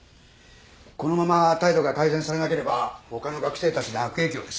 このまま態度が改善されなければ他の学生たちに悪影響です。